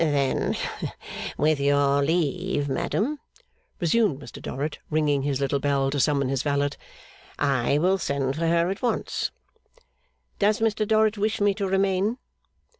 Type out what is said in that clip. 'Then, with your leave, madam,' resumed Mr Dorrit, ringing his little bell to summon his valet, 'I will send for her at once.' 'Does Mr Dorrit wish me to remain?